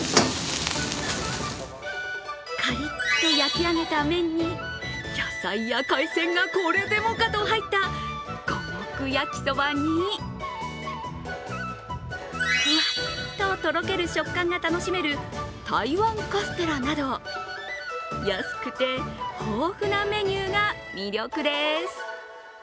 カリッと焼き上げた麺に野菜や海鮮がこれでもかと入った五目焼そばにふわっととろける食感が楽しめる台湾カステラなど安くて豊富なメニューが魅力です。